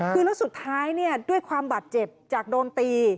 แล้วสุดท้ายด้วยความบาดเจ็บจากโดนตี